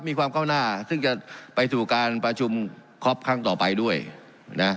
มีความก้าวหน้าซึ่งจะไปสู่การประชุมคอปครั้งต่อไปด้วยนะ